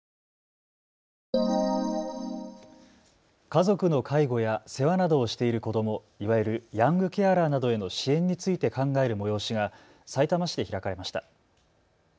家族の介護や世話などをしている子ども、いわゆるヤングケアラーなどへの支援について考える催しがさいたま市で開かれました。